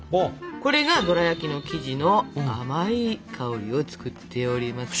これがドラやきの生地の甘い香りを作っております。